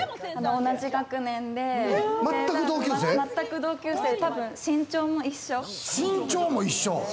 同じ学年で、全く同級生、多分、身長も一緒。